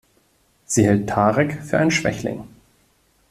Sie hält Tarek für einen Schwächling.